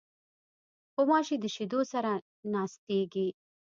غوماشې د شیدو سره ناستېږي.